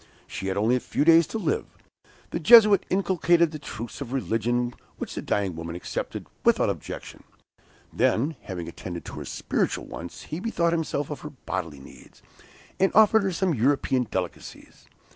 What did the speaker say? She had only a few days to live. The Jesuit inculcated the truths of religion, which the dying woman accepted, without objection. Then having attended to her spiritual wants, he bethought himself of her bodily needs, and offered her some European delicacies.